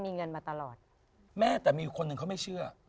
ที่นี่เขาแจ้งไม่เชื่อ